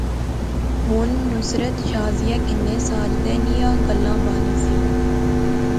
ہن نصرت شازیہ کنے ساجدے نیاں گلاں بانی سی